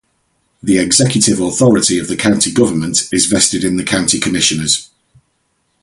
The executive authority of the County government is vested in the County Commissioners.